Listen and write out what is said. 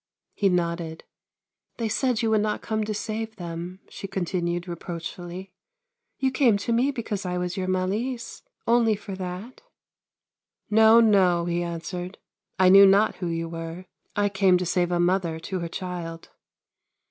He nodded. " They said you would not come to save them," she continued reproachfully. " You came to me because I was your Malise, only for that ?"" No, no," he answered ;" I knew not who you were ; I came to save a mother to her child."